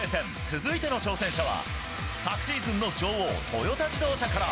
続いての挑戦者は、昨シーズンの女王、トヨタ自動車から。